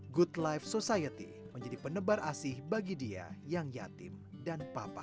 good life society menjadi penebar asih bagi dia yang yatim dan papa